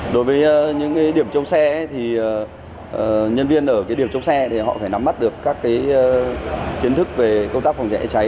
đối với những điểm chống xe thì nhân viên ở điểm chống xe thì họ phải nắm mắt được các kiến thức về công tác phòng cháy cháy